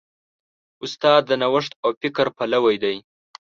استاد د نوښت او فکر پلوی دی.